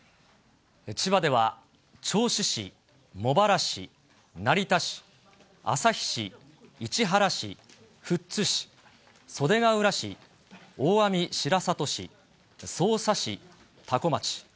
千葉では銚子市、茂原市、成田市、旭市、市原市、富津市、袖ケ浦市、大網白里市、匝瑳市、多古町。